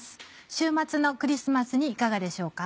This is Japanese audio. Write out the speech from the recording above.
週末のクリスマスにいかがでしょうか。